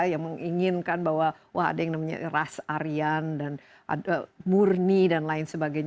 yang menginginkan bahwa wah ada yang namanya ras arian dan murni dan lain sebagainya